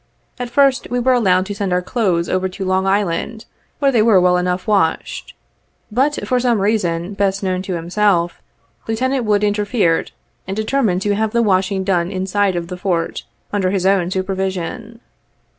At first, we were allowed to send our clothes over to Long Island, where they were well enough washed, but for some reason best known to himself, Lieutenant Wood interfered, and deter mined to have the washing done inside of the Fort, under his own supervision.